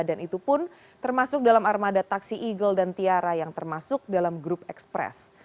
dan itu pun termasuk dalam armada taksi eagle dan tiara yang termasuk dalam grup express